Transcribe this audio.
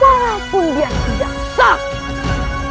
walaupun dia tidak sakit